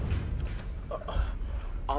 ingat jangan sampai dia tahu kalau kalian palsu